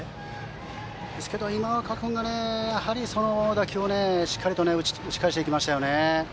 ですけど、今岡君がそのボールをしっかりと打ち返していきましたね。